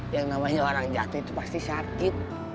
yang namanya orang jatuh itu pasti sakit